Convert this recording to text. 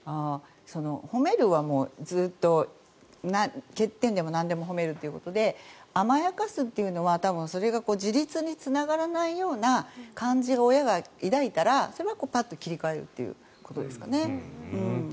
褒めるはずっと欠点でもなんでも褒めるということで甘やかすというのは多分、それが自立につながらないような感じを親が抱いたら、それは切り替えるということですかね。